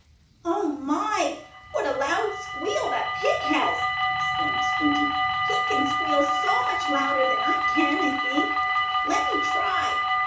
"Oh my! what a loud squeal that pig has!" exclaimed Squinty. "He can squeal much louder than I can, I think. Let me try."